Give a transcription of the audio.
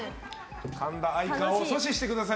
神田愛化を阻止してください。